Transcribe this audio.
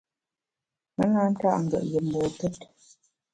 Me na nta’ ngùet yùm mbokét.